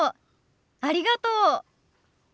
ありがとう。